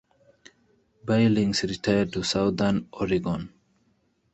Billings retired to southern Oregon.